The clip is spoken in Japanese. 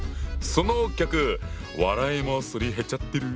そのギャグ笑いもすり減っちゃってる？